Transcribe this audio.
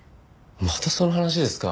またその話ですか。